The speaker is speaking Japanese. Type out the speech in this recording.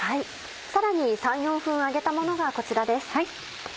さらに３４分揚げたものがこちらです。